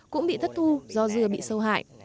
cũng bị thất thu do dưa bị sâu hại